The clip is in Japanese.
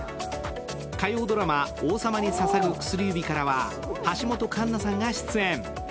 火曜ドラマ「王様に捧ぐ薬指」からは橋本環奈さんが出演。